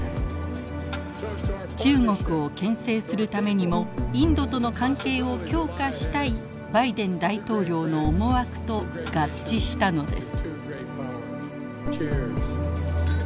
中国をけん制するためにもインドとの関係を強化したいバイデン大統領の思惑と合致したのです。